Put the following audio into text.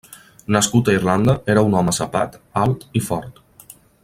Nascut a Irlanda, era un home cepat, alt i fort.